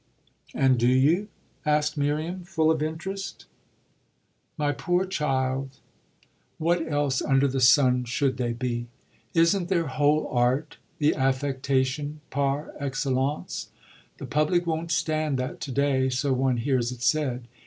'" "And do you?" asked Miriam full of interest. "My poor child, what else under the sun should they be? Isn't their whole art the affectation par excellence? The public won't stand that to day, so one hears it said.